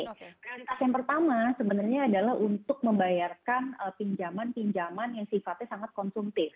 prioritas yang pertama sebenarnya adalah untuk membayarkan pinjaman pinjaman yang sifatnya sangat konsumtif